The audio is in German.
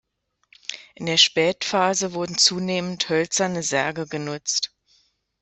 In der Spätphase wurden zunehmend hölzerne Särge genutzt.